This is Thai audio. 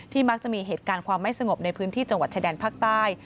มักจะมีเหตุการณ์ความไม่สงบในพื้นที่จังหวัดชายแดนภาคใต้